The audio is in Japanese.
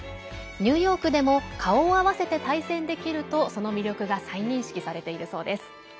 ニューヨークでも顔を合わせて対戦できるとその魅力が再認識されているそうです。